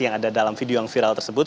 yang ada dalam video yang viral tersebut